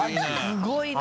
すごいな！